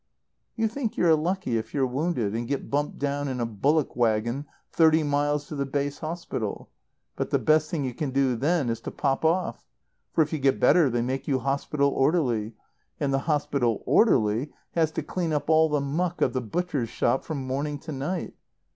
"You think you're lucky if you're wounded and get bumped down in a bullock wagon thirty miles to the base hospital. But the best thing you can do then is to pop off. For if you get better they make you hospital orderly. And the hospital orderly has to clean up all the muck of the butcher's shop from morning to night.